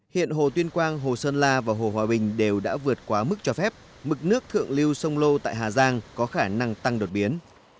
hiện hồ tuyên quang hồ sơn la và hồ hòa bình đều đã vượt quá mức cho phép mực nước thượng lưu sông lô tại hà giang có khả năng tăng đột biến